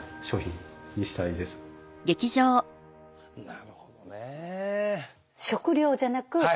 なるほどね。